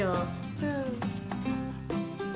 うん。